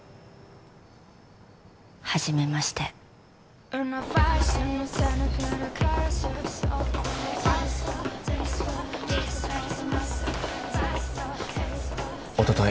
初めましておととい